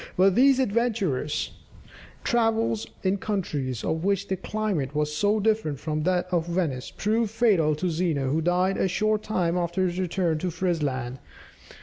But these adventurous travels in countries of which the climate was so different from that of Venice, proved fatal to Zeno, who died a short time after his return to Frisland.